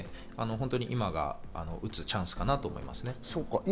今が打つチャンスかなと思います。